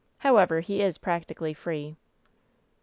However, he is practically free."